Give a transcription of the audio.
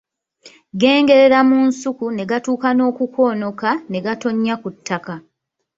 Gengerera mu nsuku ne gatuuka n'okukoonoka ne gatonnya ku ttaka.